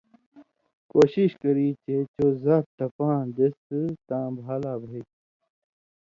کوشش کری چے چو زات تپاں دېس تاں بھا لا بھئ۔